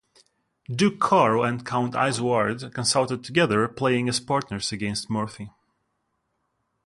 Duke Karl and Count Isouard consulted together, playing as partners against Morphy.